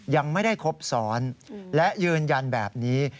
ยังไม่ได้ครบซ้อนและยืนยันแบบนี้